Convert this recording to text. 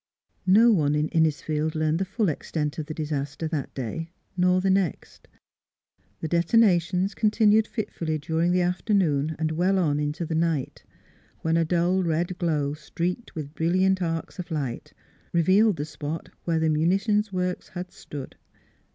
... No one in Innisfield learned the full extent of the disaster that day nor the next. The detona tions continued fitfully during the afternoon and well on into the night, when a dull red glow streaked with brilliant arcs of light revealed the spot where the munitions works had stood.